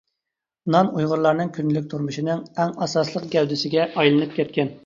نان ئۇيغۇرلارنىڭ كۈندىلىك تۇرمۇشىنىڭ ئەڭ ئاساسلىق گەۋدىسىگە ئايلىنىپ كەتكەن.